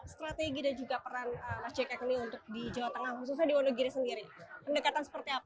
strategi dan juga peran mas jk ini untuk di jawa tengah khususnya di wonogiri sendiri pendekatan seperti apa